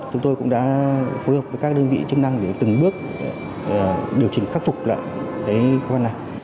chúng tôi cũng đã phương hợp với các đơn vị chức năng để từng bước điều chỉnh khắc phục lại cái khó khăn này